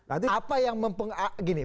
apa yang mempengaruhi gini